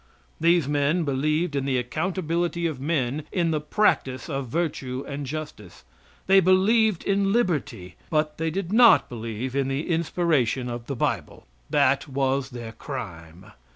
These men believed in the accountability of men in the practice of virtue and justice. They believed in liberty, but they did not believe in the inspiration of the bible. That was their crime.